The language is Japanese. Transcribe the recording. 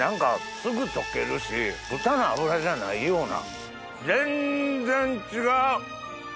すぐ溶けるし豚の脂じゃないような。